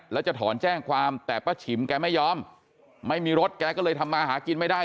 แล้วจะถอนแจ้งความแต่ป้าฉิมแกไม่ยอมไม่มีรถแกก็เลยทำมาหากินไม่ได้